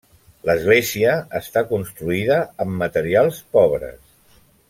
L'església està construïda amb materials pobres.